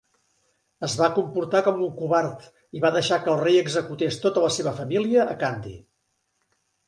Es va comportar com un covard i va deixar que el rei executés tota la seva família a Kandy.